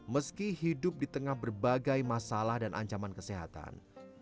meski hidup di tengah berbagai masalah dan ancaman kesehatan